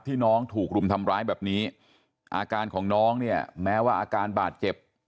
น้องถูกรุมทำร้ายแบบนี้อาการของน้องเนี่ยแม้ว่าอาการบาดเจ็บ